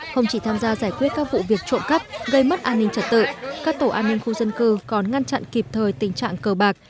không chỉ tham gia giải quyết các vụ việc trộm cắp gây mất an ninh trật tự các tổ an ninh khu dân cư còn ngăn chặn kịp thời tình trạng cờ bạc